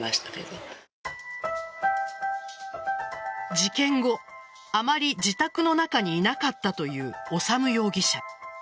事件後、あまり自宅の中にいなかったという修容疑者。